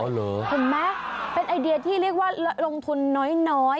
เห็นไหมเป็นไอเดียที่เรียกว่าลงทุนน้อย